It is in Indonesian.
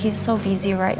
dia sangat sibuk sekarang